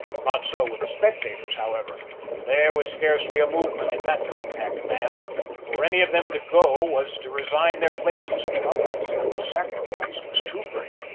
Not so with the spectators, however; there was scarcely a movement in that compact mass; for any of them to go was to resign their places to others and the sacrifice was too great.